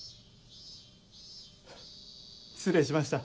失礼しました。